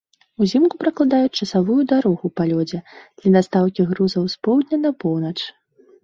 Узімку пракладаюць часавую дарогу па лёдзе для дастаўкі грузаў з поўдня на поўнач.